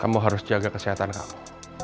kamu harus jaga kesehatan kamu